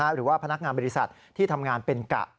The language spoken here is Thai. หรือว่าพนักงานบริษัทที่ทำงานเป็นกะ